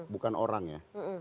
bukan orang ya